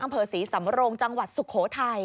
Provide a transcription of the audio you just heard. อำเภอศรีสำโรงจังหวัดสุโขทัย